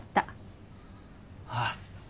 ああ。